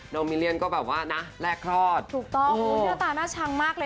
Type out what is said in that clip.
มิเลียนก็แบบว่านะแรกคลอดถูกต้องหน้าตาน่าชังมากเลย